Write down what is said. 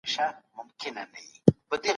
قومونه او کلتورونه ولې یو له بل سره توپیر لري؟